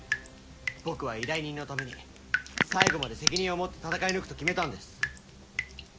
僕は依頼人のために最後まで責任を持って戦い抜くと決めたんです。